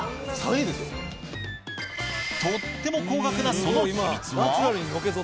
とっても高額なその秘密は？